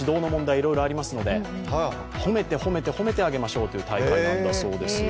いろいろありますので褒めて、褒めて、褒めてあげましょうという大会なんだそうです。